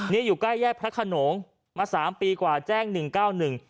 นี่อยู่ใกล้แยกพระขนงมาสามปีกว่าแจ้งหนึ่งเก้าหนึ่ง